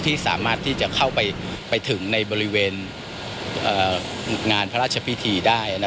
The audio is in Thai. ที่สามารถที่จะเข้าไปถึงในบริเวณงานพระราชพิธีได้